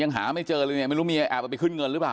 หาไม่เจอเลยเนี่ยไม่รู้เมียแอบเอาไปขึ้นเงินหรือเปล่า